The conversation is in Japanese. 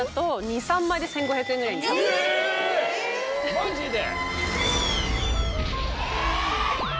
マジで？